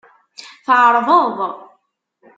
Tɛeṛḍeḍ.